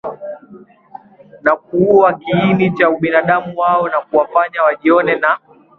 na kuua kiini cha ubinadamu wao na kuwafanya wajione na